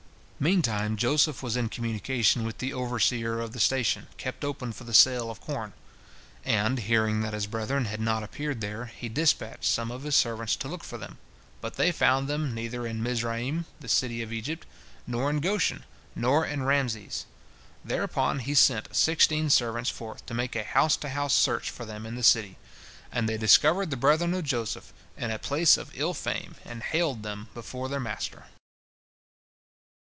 Meantime Joseph was in communication with the overseer of the station kept open for the sale of corn, and, hearing that his brethren had not appeared there, he dispatched some of his servants to look for them, but they found them neither in Mizraim, the city of Egypt, nor in Goshen, nor in Raamses. Thereupon he sent sixteen servants forth to make a house to house search for them in the city, and they discovered the brethren of Joseph in a place of ill fame and haled them before their master.